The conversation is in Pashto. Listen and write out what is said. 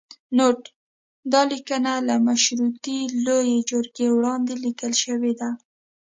نوټ: دا لیکنه له مشورتي لویې جرګې وړاندې لیکل شوې ده.